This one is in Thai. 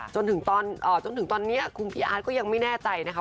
จนถึงตอนนี้คุณพี่อาร์ตก็ยังไม่แน่ใจนะคะ